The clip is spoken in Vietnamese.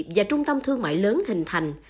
và trung tâm thương mại lớn hình thành